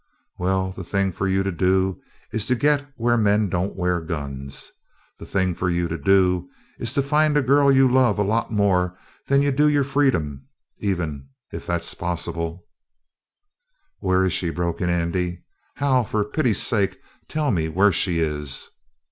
"Well, the thing for you to do is to get where men don't wear guns. The thing for you to do is to find a girl you love a lot more than you do your freedom, even. If that's possible " "Where is she?" broke in Andy. "Hal, for pity's sake, tell me where she is!"